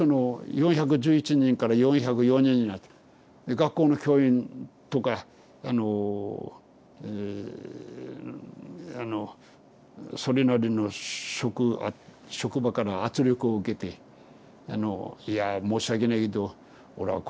学校の教員とかあのえあのそれなりの職場から圧力を受けて「いやぁ申し訳ないけどおらこんなことだから降ろしてくんねえか」。